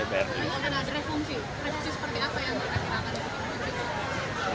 kalau ada refungsi refungsi seperti apa yang akan kita lakukan